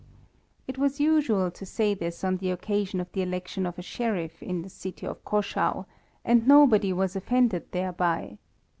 It was usual to say this on the occasion of the election of a Sheriff in the city of Caschau, and nobody was offended thereby.